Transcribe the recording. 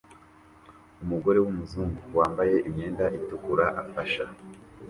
Umugore wumuzungu wambaye imyenda itukura afasha